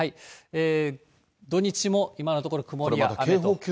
土日も今のところ、曇りや雨と。